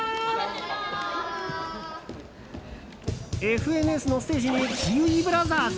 「ＦＮＳ」のステージにキウイブラザーズ？